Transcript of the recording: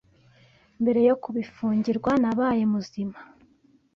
mbere yo kubifungirwa nabaye muzima,